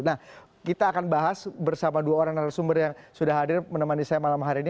nah kita akan bahas bersama dua orang narasumber yang sudah hadir menemani saya malam hari ini